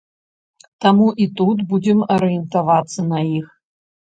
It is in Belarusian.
Таму і тут будзем арыентавацца на іх.